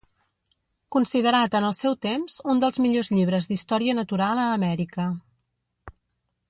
Considerat en el seu temps un dels millors llibres d'història natural a Amèrica.